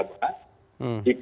dibahas pada dpr